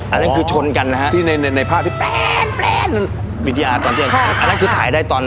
อันนั้นคือชนกันนะฮะที่ในในภาพที่วิทยาตอนที่ค่ะอันนั้นคือถ่ายได้ตอน